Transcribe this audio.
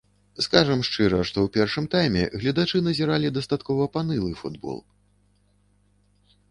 Скажам шчыра, што ў першым тайме гледачы назіралі дастаткова панылы футбол.